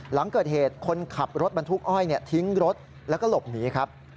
หลังเกิดเหตุคนขับรถบรรทุกอ้อยทิ้งรถแล้วก็หลบหนีครับ